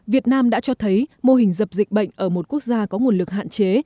việt nam đã cho thấy mô hình dập dịch bệnh ở một quốc gia có nguồn lực hạn chế